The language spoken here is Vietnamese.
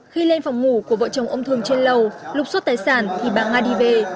khi lên phòng ngủ của vợ chồng ông thường trên lầu lục xót tài sản thì bà nga đi về